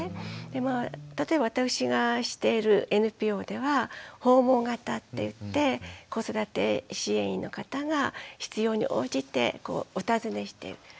でまあ例えば私がしているＮＰＯでは訪問型っていって子育て支援員の方が必要に応じてお訪ねしてる。